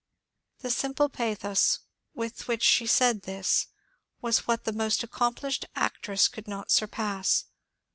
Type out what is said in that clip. The simple pathos with which she said this was what the most accomplished actress could not surpass.